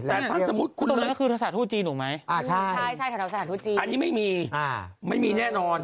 อันนี้ไม่มีไม่มีแน่นอน